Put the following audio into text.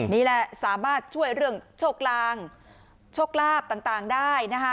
นี่แหละสามารถช่วยเรื่องโชคลางโชคลาภต่างได้นะคะ